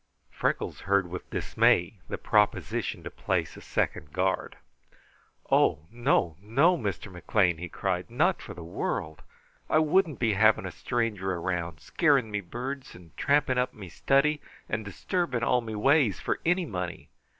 Freckles heard with dismay the proposition to place a second guard. "Oh! no, no, Mr. McLean," he cried. "Not for the world! I wouldn't be having a stranger around, scaring me birds and tramping up me study, and disturbing all me ways, for any money!